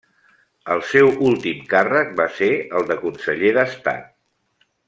El seu últim càrrec va ser el de conseller d'estat.